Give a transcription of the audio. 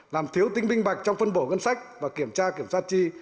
làm thiếu tính minh bạch trong phân bổ ngân sách và kiểm tra kiểm soát chi